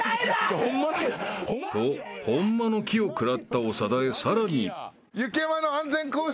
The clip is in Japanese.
［とホンマの木を食らった長田へさらに］